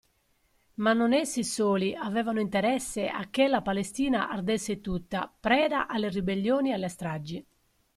Ma non essi soli avevano interesse a che la Palestina ardesse tutta, preda alle ribellioni e alle stragi.